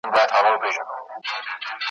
دلته نېستي ده وفا په یار کي`